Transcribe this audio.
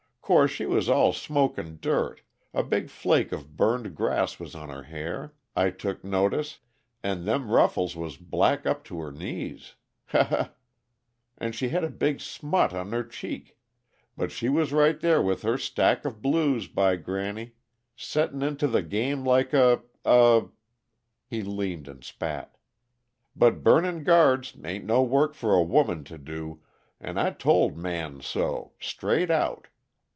_ 'Course, she was all smoke an' dirt; a big flake of burned grass was on her hair, I took notice, and them ruffles was black up to her knees he he! And she had a big smut on her cheek but she was right there with her stack of blues, by granny! Settin' into the game like a a " He leaned and spat "But burnin' guards ain't no work for a woman to do, an' I told Man so straight out.